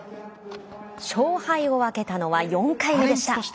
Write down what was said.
勝敗を分けたのは４回目でした。